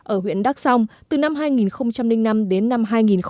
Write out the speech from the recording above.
ở huyện đắc sông từ năm hai nghìn năm đến năm hai nghìn một mươi năm